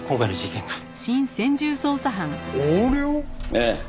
ええ。